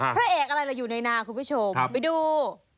พระเอกอะไรล่ะอยู่ในนาคุณผู้ชมไปดู